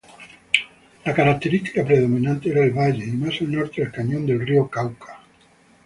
La característica predominante era el valle y más norte el cañón del río Cauca.